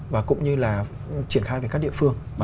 và cũng như là triển khai về các địa phương